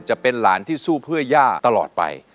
จะเป็นหลานที่สู้เพื่อย่าตลอดไป